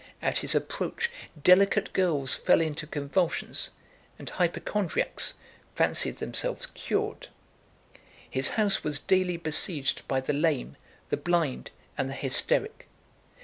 At his approach, delicate girls fell into convulsions, and hypochondriacs fancied themselves cured. His house was daily besieged by the lame, the blind, and the hysteric.